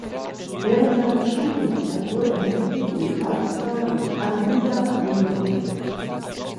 Während seiner Studienzeit wurde er Mitglied im Greifswalder und Hallenser Wingolf.